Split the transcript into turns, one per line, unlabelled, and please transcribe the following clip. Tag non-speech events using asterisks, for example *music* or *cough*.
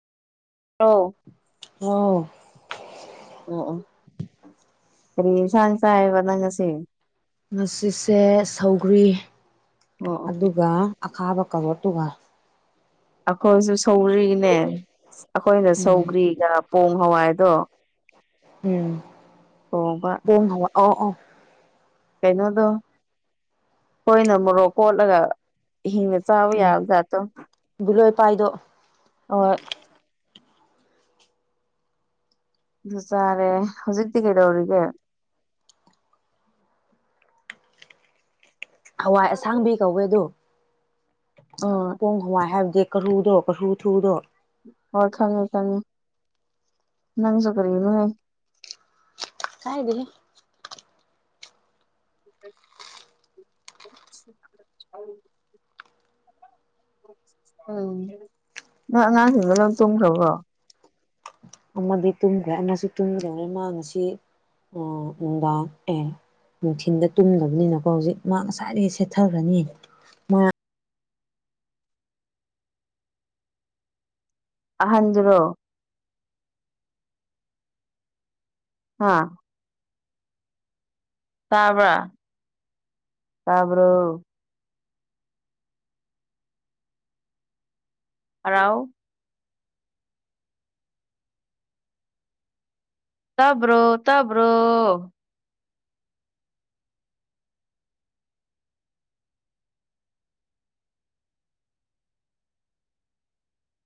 ꯑꯧ *inaudible*
ꯑꯧ
ꯑꯣ ꯑꯣ ꯀꯔꯤ ꯏꯟꯁꯥꯡ ꯆꯥꯏꯌꯦꯕ ꯅꯪ ꯉꯁꯤ
ꯉꯁꯤꯁꯦ ꯁꯧꯒ꯭ꯔꯤ
ꯑꯣ ꯑꯣ
ꯑꯗꯨꯒ ꯑꯈꯥꯕ ꯀꯔꯣꯠꯇꯨꯒ
ꯑꯩꯈꯣꯏꯁꯨ ꯁꯧꯒ꯭ꯔꯤꯅꯦ ꯑꯩꯈꯣꯏꯅ
ꯎꯝ
ꯁꯧꯒ꯭ꯔꯤꯒ ꯄꯣꯡ ꯍꯋꯥꯏꯗꯣ
ꯎꯝ
*unintelligible*
*unintelligible*
ꯀꯩꯅꯣꯗꯣ ꯍꯣꯏꯅ ꯃꯣꯔꯣꯛ ꯀꯣꯠꯂꯒ ꯍꯤꯡꯅ ꯆꯥꯕ ꯌꯥꯕ ꯖꯥꯠꯇꯣ
ꯕꯨꯂꯣꯏ ꯄꯥꯏꯗꯣ
ꯑꯣꯏ ꯑꯩꯁꯨ ꯆꯥꯔꯦ ꯍꯧꯖꯤꯛꯇꯤ ꯀꯩꯗꯧꯔꯤꯒꯦ
ꯍꯋꯥꯏ ꯑꯁꯥꯡꯕꯤ ꯀꯧꯋꯦ ꯑꯗꯨ
ꯑꯣ
ꯄꯣꯡ ꯍꯋꯥꯏ ꯍꯥꯏꯕꯗꯤ ꯀꯔꯨꯗꯣ *unintelligible*
ꯍꯣꯏ ꯈꯪꯉꯦ ꯈꯪꯉꯦ ꯅꯪꯖꯨ *unintelligible*
ꯀꯥꯏꯗꯒꯤ
*unintelligible* ꯎꯝ ꯅꯣꯏ ꯑꯉꯥꯡꯁꯤꯡꯗꯣ ꯂꯣꯏ ꯇꯨꯝꯈ꯭ꯔꯕ꯭ꯔꯣ
ꯑꯃꯗꯤ ꯇꯨꯝꯈ꯭ꯔꯦ ꯑꯃꯁꯨ ꯇꯨꯝꯈ꯭ꯔꯕ ꯃꯥ ꯉꯁꯤ ꯑꯥ ꯅꯨꯡꯗꯥꯡ ꯑꯦ ꯅꯨꯡꯊꯤꯟꯗ ꯇꯨꯝꯗꯕꯅꯤꯅꯀꯣ ꯍꯧꯖꯤꯛ ꯃꯥ ꯉꯁꯥꯏꯗꯒꯤ ꯁꯦꯠꯊꯈ꯭ꯔꯅꯤ ꯃꯥ
ꯑꯍꯟꯗꯨꯔꯣ ꯍꯥ ꯇꯥꯕ꯭ꯔꯥ ꯇꯥꯕ꯭ꯔꯣ ꯑꯔꯥꯎ ꯇꯥꯕ꯭ꯔꯣ ꯇꯥꯕ꯭ꯔꯣ